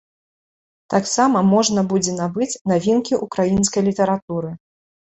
Таксама можна будзе набыць навінкі ўкраінскай літаратуры.